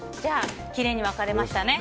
きれいに分かれました。